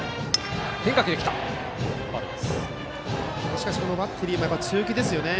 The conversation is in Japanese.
しかしバッテリーも強気ですね。